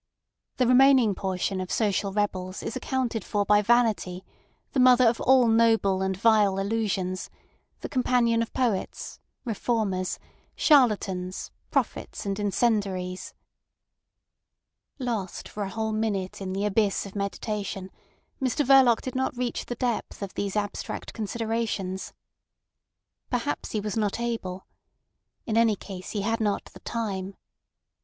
The remaining portion of social rebels is accounted for by vanity, the mother of all noble and vile illusions, the companion of poets, reformers, charlatans, prophets, and incendiaries. Lost for a whole minute in the abyss of meditation, Mr Verloc did not reach the depth of these abstract considerations. Perhaps he was not able. In any case he had not the time.